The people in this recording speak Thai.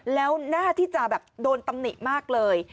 แล้วหน้าที่จะแบบโดนตำหนิมากเลย